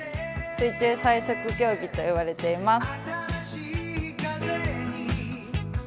水中最速競技といわれています。